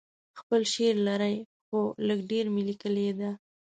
خپل شعر لرئ؟ هو، لږ ډیر می لیکلي ده